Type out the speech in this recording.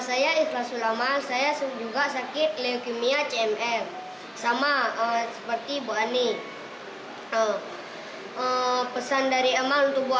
saya islasul amal saya juga sakit leukemia cmf sama seperti bu ani pesan dari emang tubuh